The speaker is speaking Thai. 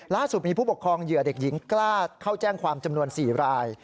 ล่าสุดมีผู้ปกครองเหยื่อเด็กหญิงกล้าเข้าแจ้งความจำนวน๔ราย